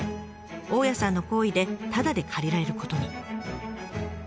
大家さんの厚意でタダで借りられることに。